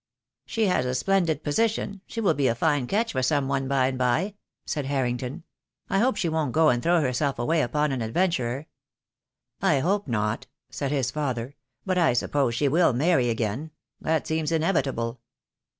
"She has a splendid position. She will be a fine catch for some one by and by," said Harrington. "I hope she won't go and throw herself away upon an ad venturer." "I hope not," said his father, "but I suppose she will marry again. That seems inevitable."